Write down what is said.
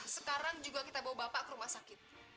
sekarang juga kita bawa bapak ke rumah sakit